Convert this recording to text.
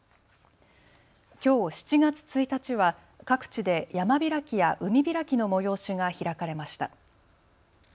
きょう７月１日は各地で山開きや海開きの催しが開かれました。